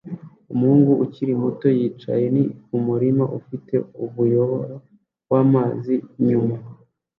Umuhungu ukiri muto yicaye ni umurima ufite umuyoboro wamazi inyuma